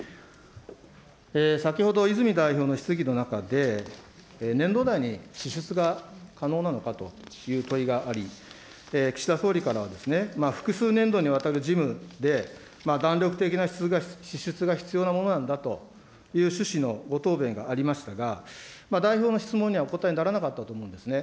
先ほど、泉代表の質疑の中で、年度内に支出が可能なのかという問いがあり、岸田総理からは、複数年度にわたる事務で、弾力的な支出が必要なものなんだという趣旨のご答弁がありましたが、代表の質問にはお答えにならなかったと思うんですね。